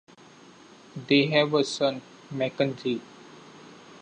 They have a son, Mackenzie.